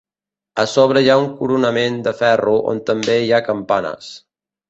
A sobre hi ha un coronament de ferro on també hi ha campanes.